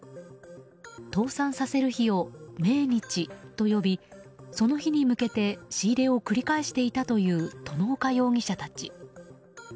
倒産させる日を命日と呼びその日向けて仕入れを繰り返していたとみられる外岡容疑者たち。